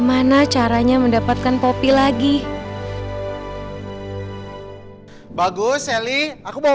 mungkin aja ya murti tiba tiba nyadar